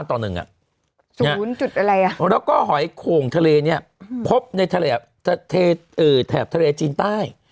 สูงจุดอะไรอ่ะแล้วก็หอยโคงทะเลเนี่ยพบในแถบทะเลจีนใต้